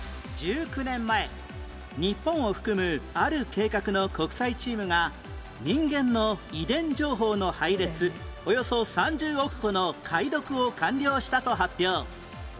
１９年前日本を含むある計画の国際チームが人間の遺伝情報の配列およそ３０億個の解読を完了したと発表